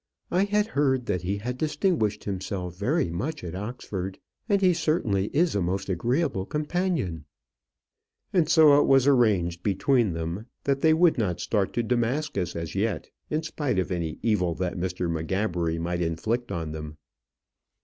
I had heard that he had distinguished himself very much at Oxford; and he certainly is a most agreeable companion." And so it was arranged between them that they would not start to Damascus as yet, in spite of any evil that Mr. M'Gabbery might inflict on them.